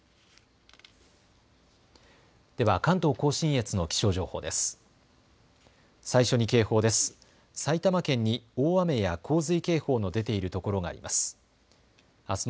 では関東甲信越の気象情報です。